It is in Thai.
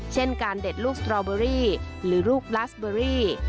เช่นการเด็ดลูกสตรอเบอรี่หรือลูกลาสเบอรี่